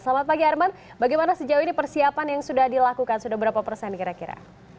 selamat pagi arman bagaimana sejauh ini persiapan yang sudah dilakukan sudah berapa persen kira kira